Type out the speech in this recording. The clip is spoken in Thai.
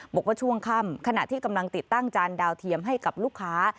บอกว่าช่วงค่ำขณะที่กำลังติดตั้งจานดาวเทียมให้กับลูกค้า